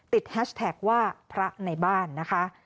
แฮชแท็กว่าพระในบ้านนะคะ